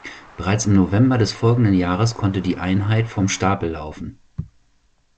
Bereits im November des folgenden Jahres konnte die Einheit vom Stapel laufen.